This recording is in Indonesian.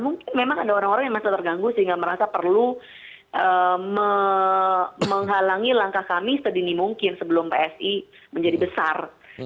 mungkin memang ada orang orang yang merasa terganggu sehingga merasa perlu menghalangi langkah kami sedini mungkin sebelum psi menjadi besar